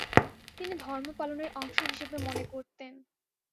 তিনি ধর্ম পালনের অংশ হিসেবে মনে করতেন।